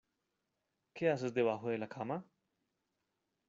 ¿ Qué haces debajo de la cama?